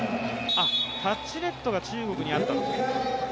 タッチネットが中国にあったと。